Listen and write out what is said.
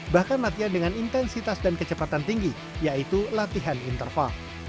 bahkan latihan dengan intensitas dan kecepatan tinggi yaitu latihan interval